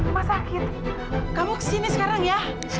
rumah sakit kamu kesini sekarang ya